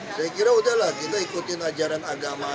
masa pasuk cerita cerita lagi lah